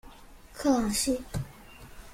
科朗西。